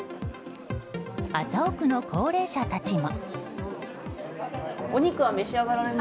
麻生区の高齢者たちも。